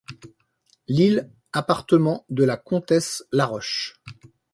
Lille, appartement de la comtesse La Roche.